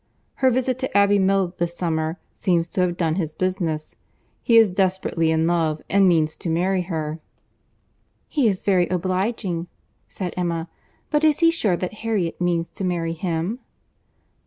Her visit to Abbey Mill, this summer, seems to have done his business. He is desperately in love and means to marry her." "He is very obliging," said Emma; "but is he sure that Harriet means to marry him?"